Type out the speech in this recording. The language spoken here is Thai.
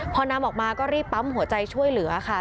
พอนำออกมาก็รีบปั๊มหัวใจช่วยเหลือค่ะ